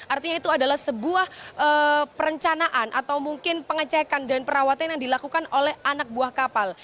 artinya itu adalah sebuah perencanaan atau mungkin pengecekan dan perawatan yang dilakukan oleh anak buah kapal